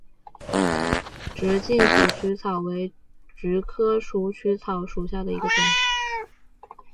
直茎鼠曲草为菊科鼠曲草属下的一个种。